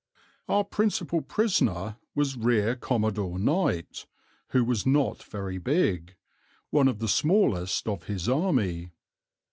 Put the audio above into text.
Our principal prisoner was Rear Commodore Knight, who was not very big, one of the smallest of his army.